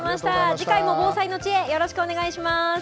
次回も防災の知恵、よろしくお願いします。